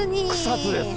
草津です。